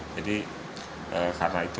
jadi karena itu